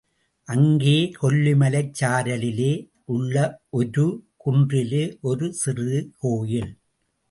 அங்கே கொல்லிமலைச் சாரலிலே உள்ள ஒரு குன்றிலே ஒரு சிறு கோயில்.